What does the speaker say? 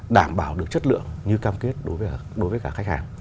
đảm bảo được chất lượng như cam kết đối với cả khách hàng